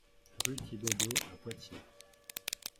Rue Thibaudeau à Poitiers